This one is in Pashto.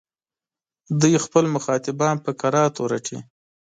دوی خپل مخاطبان په کراتو رټي.